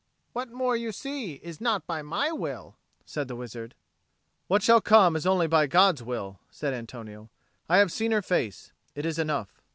"What more you see is not by my will," said the wizard. "What shall come is only by God's will," said Antonio. "I have seen her face. It is enough."